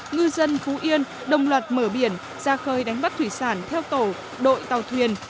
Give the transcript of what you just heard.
ngư dân phú yên đồng loạt mở biển ra khơi đánh bắt thủy sản theo tổ đội tàu thuyền